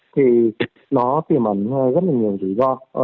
thì nó tiềm ẩn rất là nhiều lý do